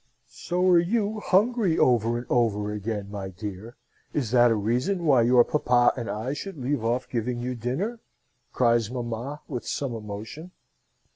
"So are you hungry over and over again, my dear! Is that a reason why your papa and I should leave off giving you dinner?" cries mamma, with some emotion.